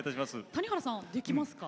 谷原さんできますか？